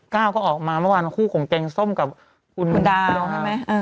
ก้าวก็ออกมาเมื่อวานคู่ของแกงส้มกับคุณดาวใช่ไหม